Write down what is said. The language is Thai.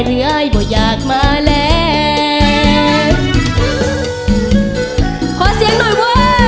เรื่อยบ่อยอยากมาแล้ว